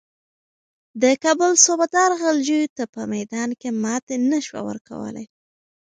د کابل صوبه دار غلجیو ته په میدان کې ماتې نه شوه ورکولای.